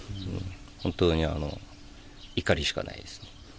本当に怒りしかないですね。